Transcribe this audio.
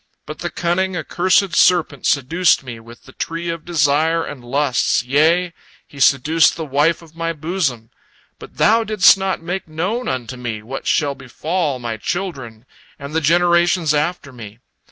But the cunning, accursed serpent seduced me with the tree of desire and lusts, yea, he seduced the wife of my bosom. But Thou didst not make known unto me what shall befall my children and the generations after me.